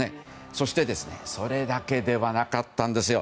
そしてそれだけではなかったんです。